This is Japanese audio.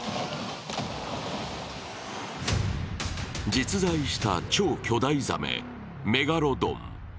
実在した超巨大ザメ・メガロドン。